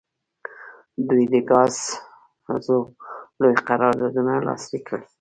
دوی د ګازو لوی قراردادونه لاسلیک کړل.